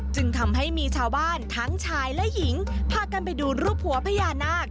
จึงทำให้มีชาวบ้านทั้งชายและหญิงพากันไปดูรูปหัวพญานาค